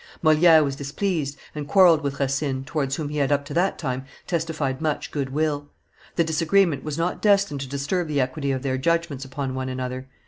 Moliere was displeased, and quarrelled with Racine, towards whom he had up to that time testified much good will. The disagreement was not destined to disturb the equity of their judgments upon one another.